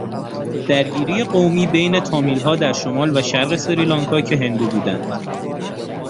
درگیری قومی بین تامیلها در شمال و شرق سریلانکا که هندو بودند